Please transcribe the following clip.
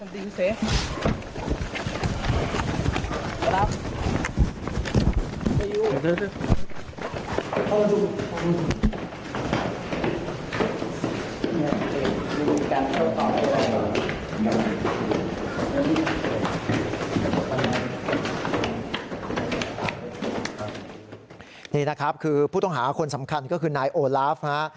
ดินี้นะคะผู้ต้องหาคนสำคัญคือนายโอลาฟค่ะ